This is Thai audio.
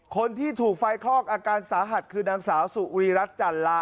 คนที่ถูกไฟคลอกอาการสาหัสคือนางสาวสุรีรัฐจันลา